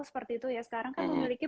seperti itu ya sekarang kan memiliki